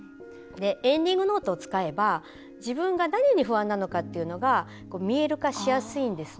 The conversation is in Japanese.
エンディングノートを使えば自分が何に不安なのかというのが見える化しやすいんですね。